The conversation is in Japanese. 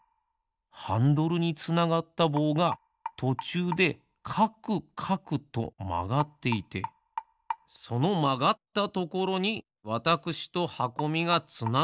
ハンドルにつながったぼうがとちゅうでかくかくとまがっていてそのまがったところにわたくしとはこみがつながっている。